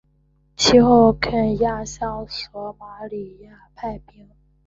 其后肯亚向索马利亚派兵。